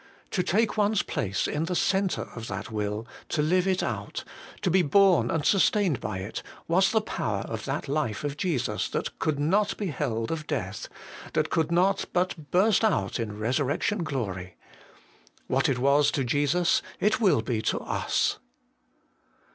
To take one's place in the centre of that will, to live it out, to be borne and sustained by it, was the power of that life of Jesus that could not be held of death, that could not but burst out in resurrection glory. What it was to Jesus it will be to us.